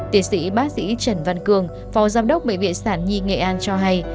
tiến sĩ bác sĩ trần văn cương phò giám đốc bệnh viện sản nhi nghệ an cho hay